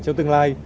trong tương lai